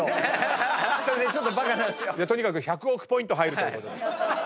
とにかく１００億ポイント入るということで。